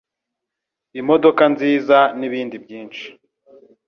imodoka nziza n'ibindi byinshi